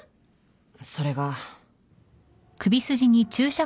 それが。